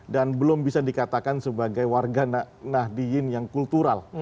dan belum bisa dikatakan sebagai warga nahdijin yang kultural